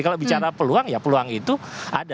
kalau bicara peluang ya peluang itu ada